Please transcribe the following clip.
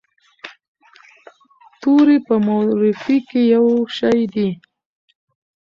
توري په مورفي کې یو شی دي.